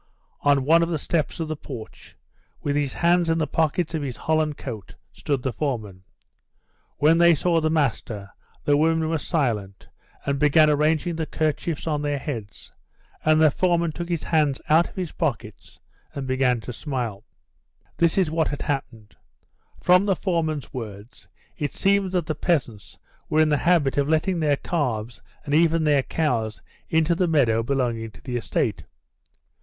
On one of the steps of the porch, with his hands in the pockets of his holland coat, stood the foreman. When they saw the master, the women were silent, and began arranging the kerchiefs on their heads, and the foreman took his hands out of his pockets and began to smile. This is what had happened. From the foreman's words, it seemed that the peasants were in the habit of letting their calves and even their cows into the meadow belonging to the estate.